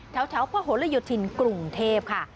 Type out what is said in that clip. แถวพระโฮลยุทินกรุงเทพฯค่ะ